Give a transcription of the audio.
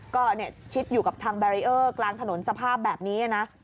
ก็ชิดอยู่กับทางแบรีเออร์กลางถนนสภาพแบบนี้นะ